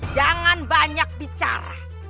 jangan banyak bicara